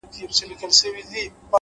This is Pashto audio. پوهه د انتخابونو شمېر زیاتوي’